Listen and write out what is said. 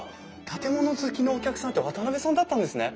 建物好きのお客さんって渡邉さんだったんですね。